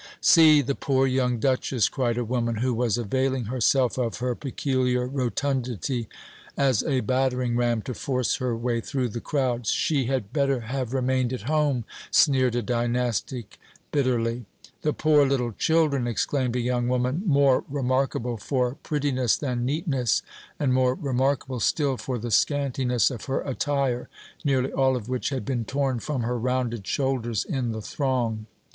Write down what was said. "See the poor young Duchess!" cried a woman, who was availing herself of her peculiar rotundity as a battering ram to force her way through the crowd. "She had better have remained at home!" sneered a Dynastic bitterly. "The poor little children!" exclaimed a young woman more remarkable for prettiness than neatness, and more remarkable still for the scantiness of her attire, nearly all of which had been torn from her rounded shoulders in the throng.